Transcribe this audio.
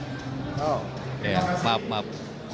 dan mendali bapak